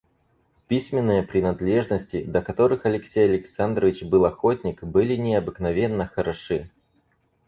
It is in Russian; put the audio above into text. Письменные принадлежности, до которых Алексей Александрович был охотник, были необыкновенно хороши.